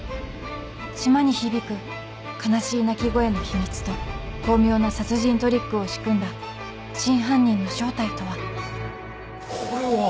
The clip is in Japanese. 島に響く悲しい哭き声の秘密と巧妙な殺人トリックを仕組んだ真犯人の正体とはこれは。